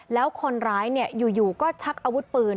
แล้วคนร้ายอยู่ก็ชักอาวุธปืน